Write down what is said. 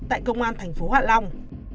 tại công an thành phố hạ long